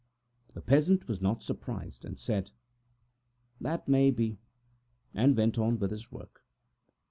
The peasant was not surprised and said: "That is quite possible," and went on with his work.